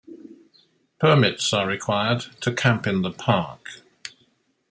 Permits are required to camp in the park.